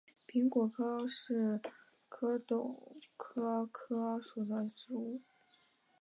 柄果柯是壳斗科柯属的植物。